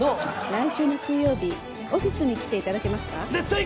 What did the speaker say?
来週の水曜日オフィスに来ていただけますか？